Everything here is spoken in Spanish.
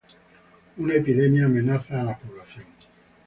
Una epidemia amenaza a la población.